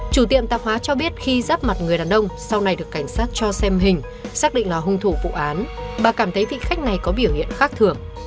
chủ tiệm tạp hóa cho biết khi ráp mặt người đàn ông sau này được cảnh sát cho xem hình xác định là hung thủ vụ án bà cảm thấy vị khách này có biểu hiện khác thường